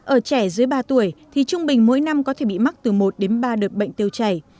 ở trẻ dưới ba tuổi thì trung bình mỗi năm có thể bị mắc từ một đến ba đợt bệnh tiêu chảy